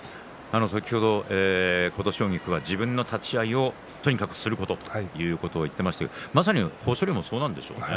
先ほど琴奨菊は自分の立ち合いをとにかくすることと言っていましたけれどもまさに豊昇龍もそうなんでしょうね。